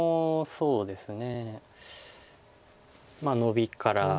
そうですね。